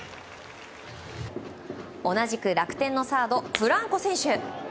同じく楽天のサードフランコ選手。